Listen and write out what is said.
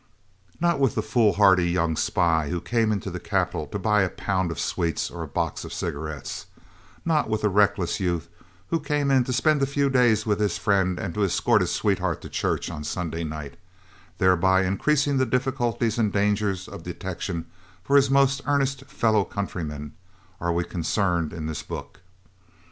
Not with the foolhardy young spy who came into the capital to buy a pound of sweets or a box of cigarettes, not with the reckless youth who came in to spend a few days with his friend and to escort his sweetheart to church on Sunday night, thereby increasing the difficulties and danger of detection for his more earnest fellow countrymen, are we concerned in this book.